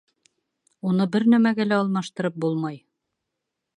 Уны бер нәмәгә лә алмаштырып булмай.